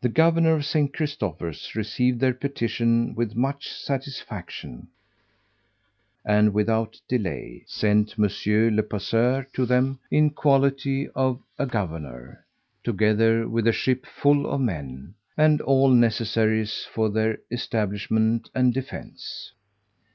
The governor of St. Christopher's received their petition with much satisfaction, and, without delay, sent Monsieur le Passeur to them in quality of a governor, together with a ship full of men, and all necessaries for their establishment and defence.